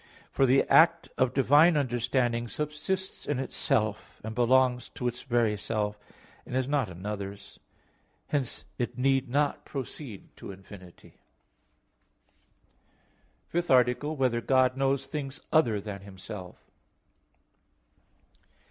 For the act of divine understanding subsists in itself, and belongs to its very self and is not another's; hence it need not proceed to infinity. _______________________ FIFTH ARTICLE [I, Q. 14, Art. 5] Whether God Knows Things Other Than Himself?